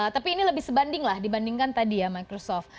tapi ini lebih sebanding lah dibandingkan tadi ya microsoft